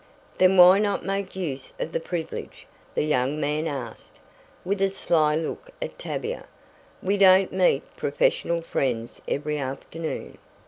"Then why not make use of the privilege?" the young man asked, with a sly look at Tavia. "We don't meet professional friends every afternoon."